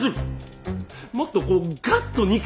もっとこうガッと肉！